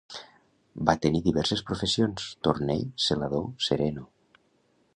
Va tenir diverses professions: torner, zelador, sereno.